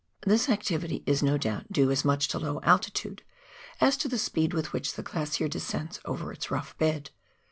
This activity is, no doubt, due as much to low altitude as to the speed with which the glacier descends over its rough bed.